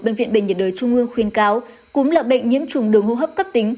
bệnh viện bệnh nhiệt đới trung ương khuyên cáo cúm là bệnh nhiễm trùng đường hô hấp cấp tính